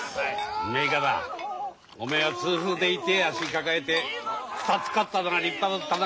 梅筏おめえは痛風で痛え足抱えて２つ勝ったのが立派だったな。